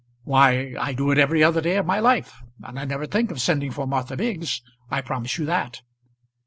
"Why; I do it every other day of my life. And I never think of sending for Martha Biggs; I promise you that."